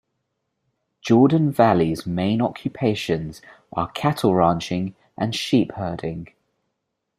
Jordan Valley's main occupations are cattle ranching and sheep herding.